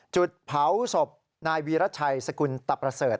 จุดเผาศพนายวีรชัยสกุลตะประเสริฐ